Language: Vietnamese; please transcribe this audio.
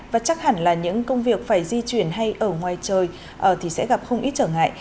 và chắc hẳn là những công việc phải di chuyển hay ở ngoài trời thì sẽ gặp không ít trở ngại